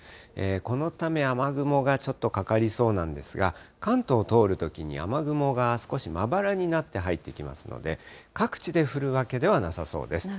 このため雨雲がちょっとかかりそうなんですが、関東を通るときに雨雲が少しまばらになって入ってきますので、各地で降るわけではなさそうです。